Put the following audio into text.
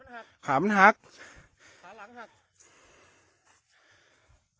ยอมแล้วยอมแล้วขามันขาดพี่อ่าขามันหักขามันหัก